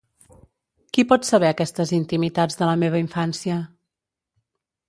Qui pot saber aquestes intimitats de la meva infància?